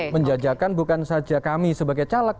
menjajakan bukan saja kami sebagai caleg